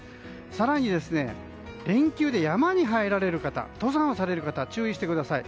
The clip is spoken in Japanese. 更に連休で山に入られる方登山される方は注意してください。